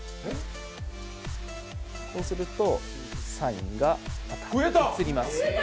そうすると、サインが写ります。